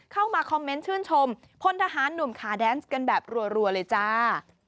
เข้ามาคอมเมนต์ชื่นชมพลทหารหนุ่มขาแดนซ์กันแบบรัวเลยจ้า